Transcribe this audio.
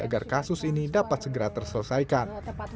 agar kasus ini dapat segera terselesaikan